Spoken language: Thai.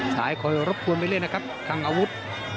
ชายคอยรับควรตัวเล่นนะครับคังอาวุธ